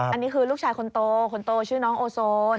อันนี้คือลูกชายคนโตคนโตชื่อน้องโอโซน